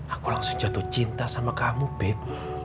aku langsung jatuh cinta sama kamu pep